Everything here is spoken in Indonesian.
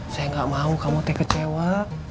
saya gak mau kamu teh kecewa